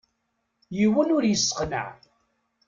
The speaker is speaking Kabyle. Yiwen ur isseqneɛ.